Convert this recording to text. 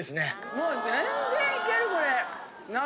もう全然いけるこれ。